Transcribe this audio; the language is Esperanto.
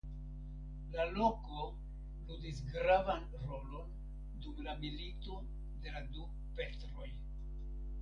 La loko ludis gravan rolon dum la Milito de la du Petroj.